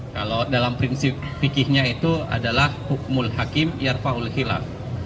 kalau dalam prinsip pikirnya itu adalah hukumul hakim yarfaul hilaf